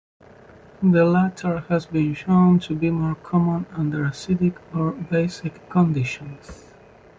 The latter has been shown to be more common under acidic or basic conditions.